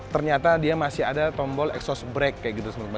ternyata dia masih ada tombol exos break kayak gitu